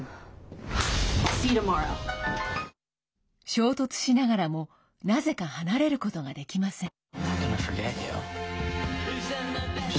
衝突しながらもなぜか離れることができません。